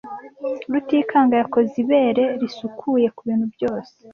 Rutikanga yakoze ibere risukuye kubintu byose.